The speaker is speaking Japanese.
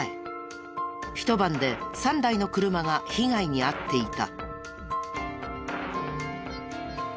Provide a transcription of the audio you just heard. ひと晩で３台の車が被害に遭っていた。